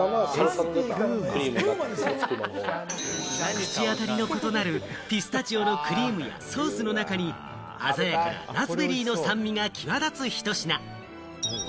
シャンティからのエスプーマ口当たりの異なるピスタチオのクリームやソースの中に鮮やかなラズベリーの酸味が際立つひと品。